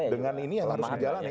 dengan ini yang harus dijalani